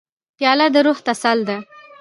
پیاله د روح تسل ده.